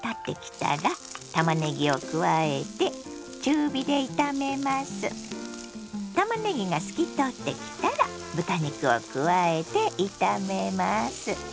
たまねぎが透き通ってきたら豚肉を加えて炒めます。